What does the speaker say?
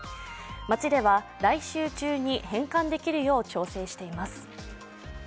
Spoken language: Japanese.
町では、来週中に返還できるよう調整しています。